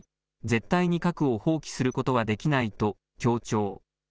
絶対に核を放棄することはできないと強調。